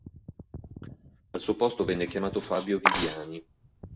Al suo posto viene chiamato Fabio Viviani.